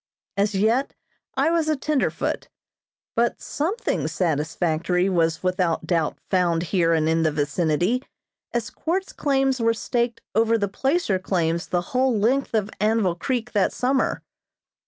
As yet I was a tenderfoot; but something satisfactory was without doubt found here and in the vicinity, as quartz claims were staked over the placer claims the whole length of Anvil Creek that summer.